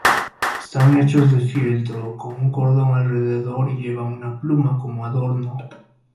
Están hechos de fieltro, con un cordón alrededor y llevan una pluma como adorno.